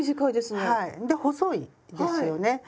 はいで細いですよね。